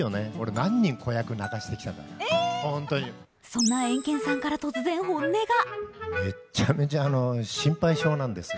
そんなエンケンさんから突然本音が。